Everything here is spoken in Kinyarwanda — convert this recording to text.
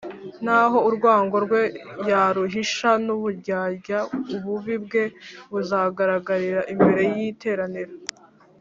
naho urwango rwe yaruhisha ku buryarya, ububi bwe buzagaragarira imbere y’iteraniro